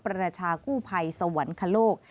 ประชากู้ภัยสวรรคโลก